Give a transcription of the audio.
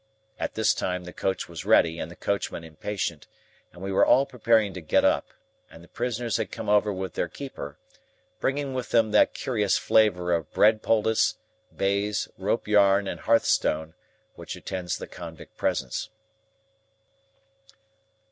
At this time the coach was ready and the coachman impatient, and we were all preparing to get up, and the prisoners had come over with their keeper,—bringing with them that curious flavour of bread poultice, baize, rope yarn, and hearthstone, which attends the convict presence.